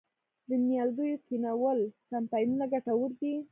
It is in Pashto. د نیالګیو کینول کمپاینونه ګټور دي؟